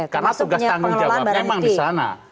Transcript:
karena tugas tanggung jawab memang di sana